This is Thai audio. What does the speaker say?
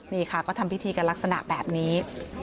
นี่ค่ะก็ทำพิธีกันลักษณะแบบนี้